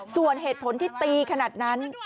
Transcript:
ส่วนเหตุผลที่ตีขนาดนั้น